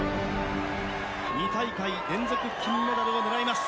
２大会連続金メダルを狙います。